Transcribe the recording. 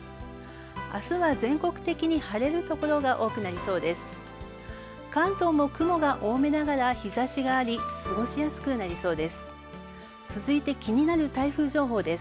明日は全国的に晴れる所が多くなりそうです。